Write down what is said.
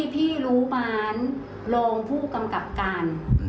พี่รู้บานรองผู้กำกับการ